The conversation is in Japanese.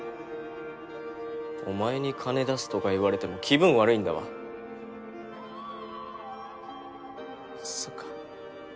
お前に金出すとか言われても気分悪いんだそっか